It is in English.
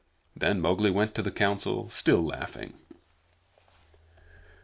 Then Mowgli went to the Council, still laughing.